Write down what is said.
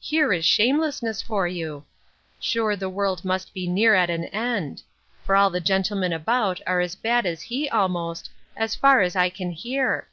Here is shamelessness for you! Sure the world must be near at an end! for all the gentlemen about are as bad as he almost, as far as I can hear!